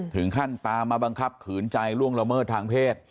ถึงขั้นตามมาบังคับขืนใจล่วงละเมิดทางเพศ